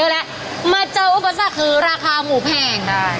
ราคาหมูแพง